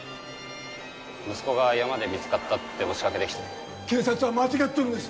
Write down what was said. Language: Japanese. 「息子が山で見つかった」って押しかけてきて警察は間違っとるんです